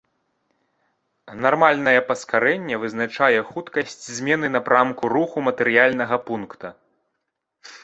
Нармальнае паскарэнне вызначае хуткасць змены напрамку руху матэрыяльнага пункта.